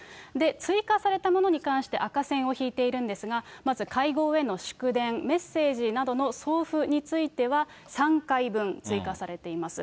追加されたものに関して赤線を引いているんですが、まず会合への祝電、メッセージなどの送付については３回分、追加されています。